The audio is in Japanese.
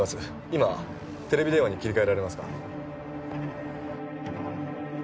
今テレビ電話に切り替えられますか？